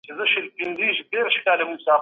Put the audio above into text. د حنفي مسلک اصول واضح دي.